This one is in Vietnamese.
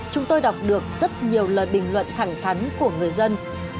chúng tôi đọc được rất nhiều lời bình luận thẳng thắn của người dân